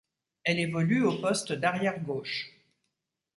Elle évolue au poste d' arrière gauche.